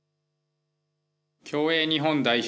競泳日本代表